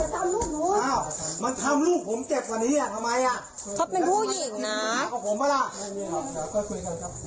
เธอตกใจมากโทรหาพ่อตามมาได้ทันเวลาพอดีเลย